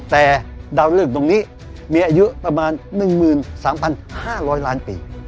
แต่ดาวน์เริกดวงนี้มีอายุประมาณ๑๓๕๐๐ปี